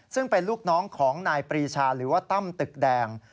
ซึ่งเป็นลูกน้องของนายปรีชาหรือว่าตั้มตึกแดง